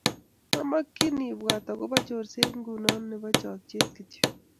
Mamakchin ibwat akoba nyorset ngung nebo chokchet kityo